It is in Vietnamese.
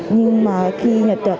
nhưng mà khi nhập tập